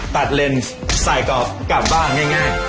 ตัดเลนส์ใส่กลับบ้างง่าย